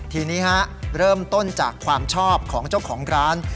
ทีนี้เริ่มต้นจากความชอบของเจ้าของร้าน